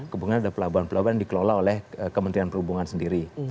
kemudian ada pelabuhan pelabuhan yang dikelola oleh kementerian perhubungan sendiri